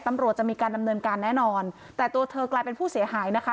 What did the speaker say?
ตำรวจจะมีการดำเนินการแน่นอนแต่ตัวเธอกลายเป็นผู้เสียหายนะคะ